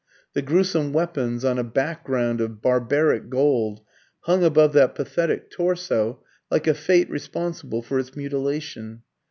The gruesome weapons, on a background of barbaric gold, hung above that pathetic torso, like a Fate responsible for its mutilation.